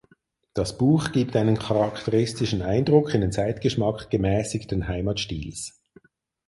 Das Buch gibt einen charakteristischen Eindruck in den Zeitgeschmack gemässigten Heimatstils.